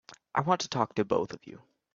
I want to talk to both of you.